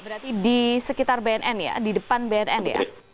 berarti di sekitar bnn ya di depan bnn ya